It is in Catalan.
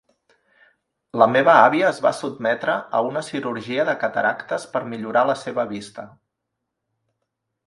La meva àvia es va sotmetre a una cirurgia de cataractes per millorar la seva vista.